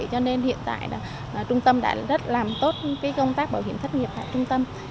cho nên hiện tại trung tâm đã rất làm tốt công tác bảo hiểm thất nghiệp tại trung tâm